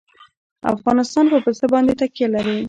افغانستان په پسه باندې تکیه لري.